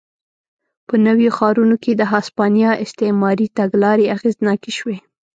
په نویو ښارونو کې د هسپانیا استعماري تګلارې اغېزناکې شوې.